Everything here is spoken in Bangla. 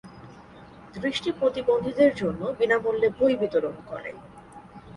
দৃষ্টি প্রতিবন্ধীদের জন্য বিনামূল্যে বই বিতরণ করে।